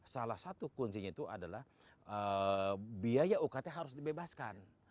salah satu kuncinya itu adalah biaya ukt harus dibebaskan